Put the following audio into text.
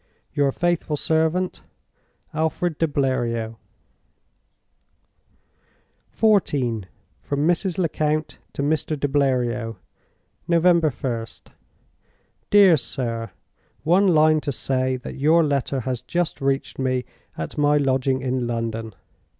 "Your faithful servant, "ALFRED DE BLERIOT." XIV. From Mrs. Lecount to Mr. de Bleriot. "November 1st. "DEAR SIR, "One line to say that your letter has just reached me at my lodging in London.